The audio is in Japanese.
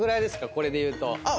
これでいうと。